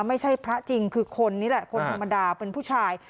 ไม่ใช่พระจริงคือคนนี่แหละคนธรรมดาเป็นผู้ชาย